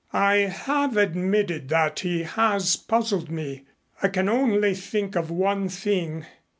"I have admitted that he has puzzled me. I can only think of one thing.